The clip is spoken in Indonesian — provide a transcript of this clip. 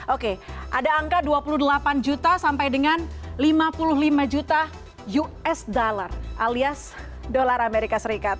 oke ada angka dua puluh delapan juta sampai dengan lima puluh lima juta usd alias dolar amerika serikat